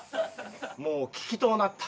もう聞きとうなった。